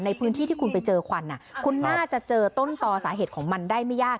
ในพื้นที่ที่คุณไปเจอควันคุณน่าจะเจอต้นต่อสาเหตุของมันได้ไม่ยาก